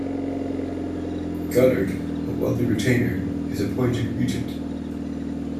Godard, a wealthy retainer, is appointed regent.